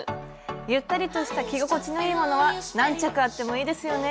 ゆったりとした着心地のいいものは何着あってもいいですよね。